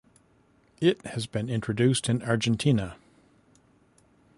It has been introduced in Argentina.